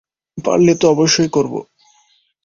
পারলে তো অবশ্যই করবো।